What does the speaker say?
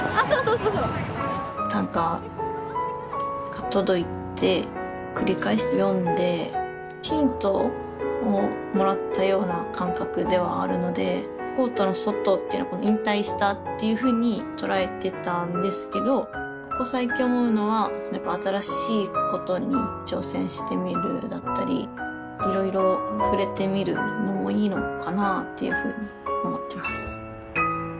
短歌が届いて繰り返して読んでヒントをもらったような感覚ではあるのでコートの外っていうのは引退したっていうふうに捉えてたんですけどここ最近思うのはやっぱ新しいことに挑戦してみるだったりいろいろ触れてみるのもいいのかなぁというふうに思ってます。